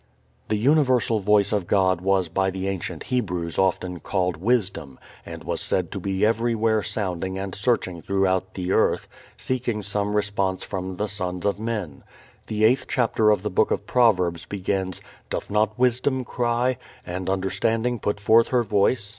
This universal Voice of God was by the ancient Hebrews often called Wisdom, and was said to be everywhere sounding and searching throughout the earth, seeking some response from the sons of men. The eighth chapter of the Book of Proverbs begins, "Doth not wisdom cry? and understanding put forth her voice?"